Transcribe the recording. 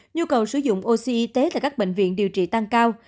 nhu cầu sử dụng oxy y tế tại các bệnh viện điều trị tăng cao